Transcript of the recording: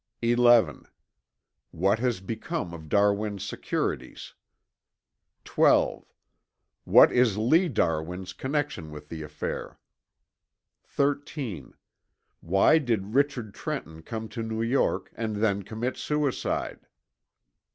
(11) What has become of Darwin's securities? (12) What is Lee Darwin's connection with the affair? (13) Why did Richard Trenton come to New York and then commit suicide?